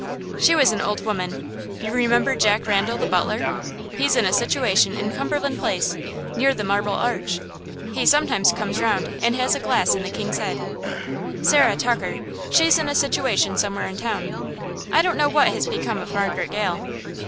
"She was an old woman. You remember John Randal, the butler? He's in a situation in Cumberland Place, near the Marble Arch. He sometimes comes round and has a glass in the 'King's Head.' Sarah Tucker she's in a situation somewhere in town. I don't know what has become of Margaret Gale."